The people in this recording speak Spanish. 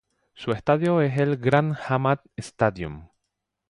Su estadio es el Grand Hamad Stadium.